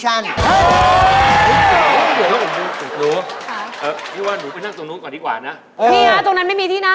ใจแรงน้องนี่สวยนะดูใกล้สวยมาก